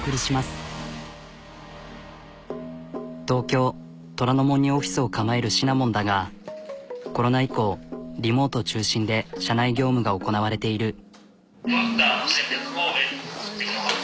東京虎ノ門にオフィスを構えるシナモンだがコロナ以降リモート中心で社内業務が行なわれている。